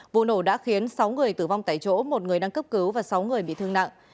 vụ nổ đã khiến sáu người tử vong tại chỗ một người đang cấp cứu và sáu người bị thương nặng